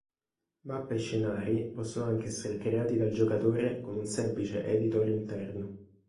Mappe e scenari possono anche essere creati dal giocatore con un semplice editor interno.